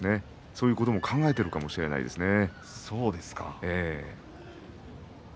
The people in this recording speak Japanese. そういうことを考えているかもしれませんね。